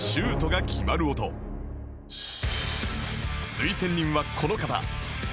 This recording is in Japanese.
推薦人はこの方